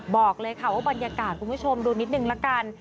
บอกเลยค่ะว่าบรรยากาศคุณผู้ชมดูนิดนึงละกัน